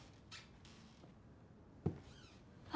あ。